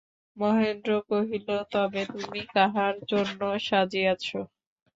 মহেন্দ্র কহিল, তবে তুমি কাহার জন্য সাজিয়াছ।